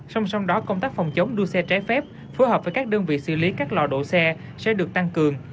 song song đó công tác phòng chống đua xe trái phép phối hợp với các đơn vị xử lý các lò độ xe sẽ được tăng cường